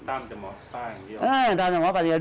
ตามจะหมอปาอย่างเงียบ